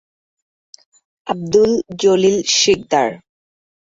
Abdul Jalil Sikdar